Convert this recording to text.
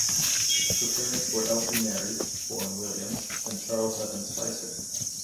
Her parents were Elsie Mary (born Williams) and Charles Evan Spicer.